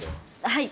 はい。